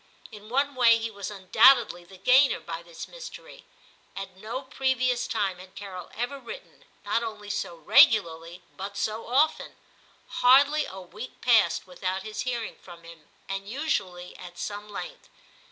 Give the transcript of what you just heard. In one way he was undoubtedly the gainer by this mystery. At no previous time had Carol ever written, not only so regularly, but so often ; hardly a week passed without his hearing from him, and usually at some length.